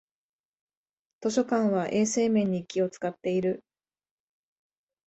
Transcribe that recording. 図書館は衛生面に気をつかっている